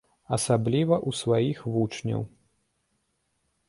Асабліва ў сваіх вучняў.